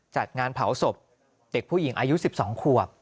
จัดงานเผาศพเด็กผู้หญิงอายุ๑๒ขวบ